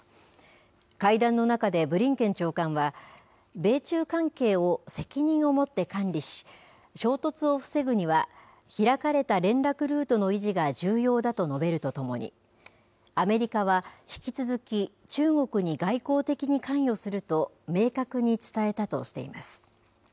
会談の中で、ブリンケン長官は、米中関係を責任を持って管理し、衝突を防ぐには、開かれた連絡ルートの維持が重要だと述べるとともに、アメリカは引き続き、中国に外交的に関与すると、明確に伝えたとしています。